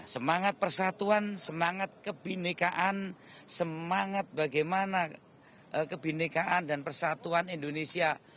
semangat persatuan semangat kebinekaan semangat bagaimana kebenekaan dan persatuan indonesia